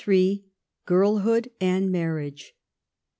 GIRLHOOD AND MARRIAGE.